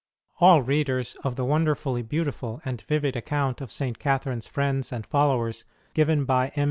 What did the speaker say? All readers of the wonderfully beautiful and vivid account of St. Catherine s friends and followers given by M.